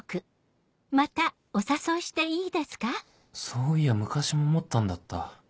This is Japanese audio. そういや昔も思ったんだった